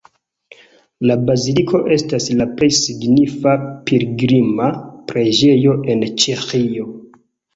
La baziliko estas la plej signifa pilgrima preĝejo en Ĉeĥio.